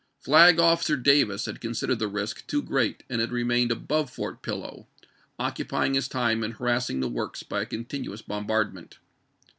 Flag officer Davis had considered the risk too gi'eat and had remained above Fort Pillow, occupying his time in harassing the works by a continuous bombardment.